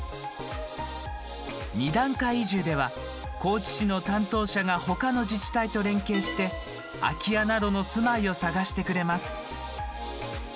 二段階移住では高知市の担当者が他の自治体と連携して空き家などの住まいを探してくれます。